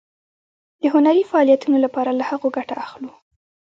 د هنري فعالیتونو لپاره له هغو ګټه اخلو.